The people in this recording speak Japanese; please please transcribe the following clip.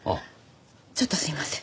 ちょっとすいません。